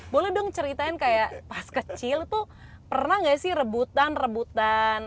boleh dong ceritain kayak pas kecil tuh pernah gak sih rebutan rebutan